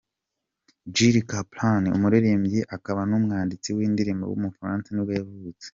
Jil Caplan, umuririmbyi akaba n’umwanditsi w’indirimbo w’umufaransa nibwo yavutse.